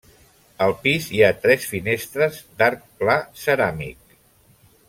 Al pis hi ha tres finestres d'arc pla ceràmic.